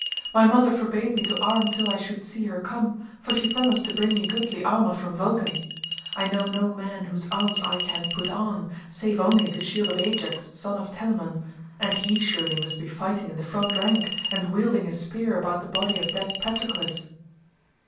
My mother forbade me to arm till I should see her come, for she promised to bring me goodly armour from Vulcan; I know no man whose arms I can put on, save only the shield of Ajax son of Telamon, and he surely must be fighting in the front rank and wielding his spear about the body of dead Patroclus."